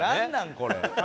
これ。